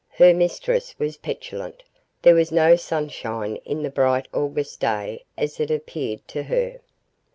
Her mistress was petulant; there was no sunshine in the bright August day as it appeared to her.